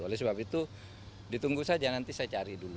oleh sebab itu ditunggu saja nanti saya cari dulu